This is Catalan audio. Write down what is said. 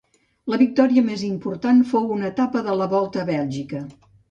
La victòria més important fou una etapa de la Volta a Bèlgica.